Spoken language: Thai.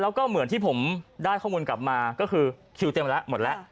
แล้วก็เหมือนที่ผมได้ข้อมูลกลับมาก็คือคิวเต็มไปแล้วหมดแล้ว